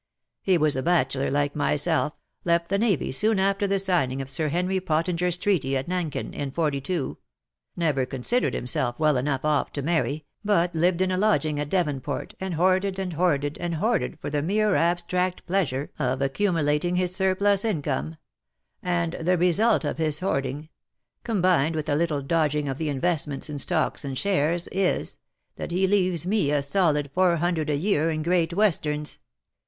He was a bachelor like myself — left the Navy soon after the signing of Sir Henry Pottinger's treaty at Nankin in ^42 — never considered himself well enough off to marry, but lived in a lodging at Devonport, and hoarded and hoarded and hoarded for the mere abstract pleasure of accumu N 2 180 IN SOCIETY. lating his surplus income; and the result of his hoarding — combined with a little dodging of his investments in stocks and shares — is, that he leaves me a solid four hundred a year in Great Westerns.